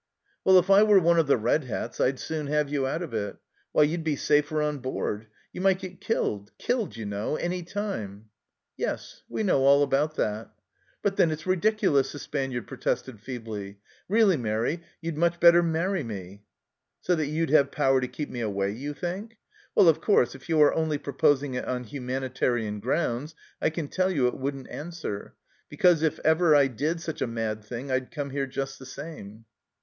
" Well, if I were one of the red hats, I'd soon have you out of it ! Why, you'd be safer on board. You might get killed killed, you know, any time." " Yes, we know all about that." " But then it's ridiculous," the " Spaniard " protested feebly. " Really, Mairi, you'd much better marry me." " So that you'd have power to keep me away, you think ? Well, of course, if you are only pro posing it on humanitarian grounds, I can tell you it wouldn't answer, because if ever I did such a mad thing, I'd come here just the same."